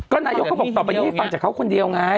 นายกก็บอกต่อไปนี้ให้ฟังจากเขาคนเดียวไง